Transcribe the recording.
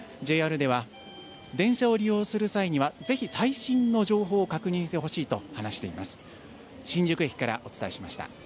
ＪＲでは、電車を利用する際にはぜひ最新の情報を確認してほしいと話していました。